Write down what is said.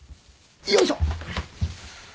よいしょ。